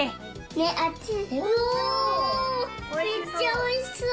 めっちゃおいしそう！